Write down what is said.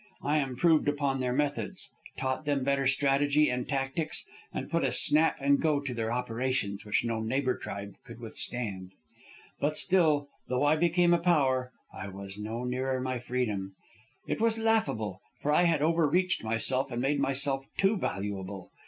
I improved upon their methods, taught them better strategy and tactics, and put a snap and go into their operations which no neighbor tribe could withstand. "But still, though I became a power, I was no nearer my freedom. It was laughable, for I had over reached myself and made myself too valuable.